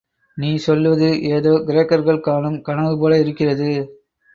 நீ சொல்வது, ஏதோ கிரேக்கர்கள் காணும் கனவு போல இருக்கிறது.